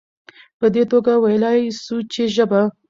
په دي توګه ويلايي شو چې ژبه